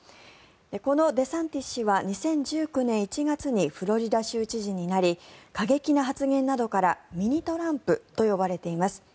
このデサンティス氏は２０１９年１月にフロリダ州知事になり過激な発言などからミニ・トランプと呼ばれています。